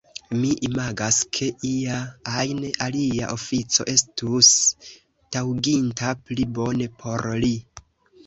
Mi imagas, ke ia ajn alia ofico estus taŭginta pli bone por li.